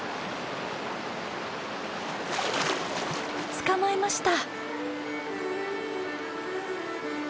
捕まえました！